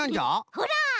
ほら！